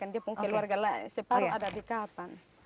dia mungkin keluarga lain separuh ada di kapan